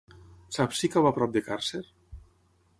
Saps si cau a prop de Càrcer?